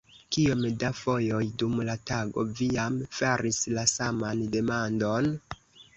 Kiom da fojoj dum la tago vi jam faris la saman demandon?